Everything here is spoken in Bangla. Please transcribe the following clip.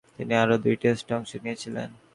তিনি আরও দুই টেস্টে অংশ নিয়েছিলেন।